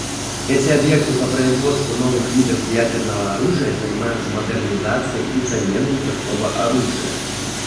Эти объекты по производству новых видов ядерного оружия занимаются модернизацией и заменой такого оружия.